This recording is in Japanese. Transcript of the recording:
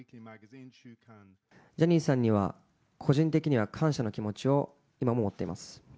ジャニーさんには、個人的には感謝の気持ちを今も持っています。